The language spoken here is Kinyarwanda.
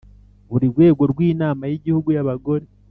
buri rwego rw inama y igihugu y abagore